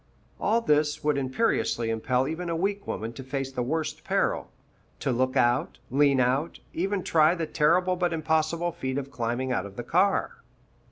All this would imperiously impel even a weak woman to face the worst peril, to look out, lean out, even try the terrible but impossible feat of climbing out of the car.